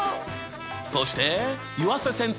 そして湯浅先生！